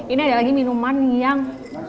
ini ada lagi minuman yang